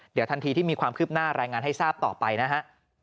เดี๋ยวทันทีที่มีความคืบหน้ารายงานให้ทราบต่อไปนะฮะ